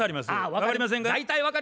分かりませんか？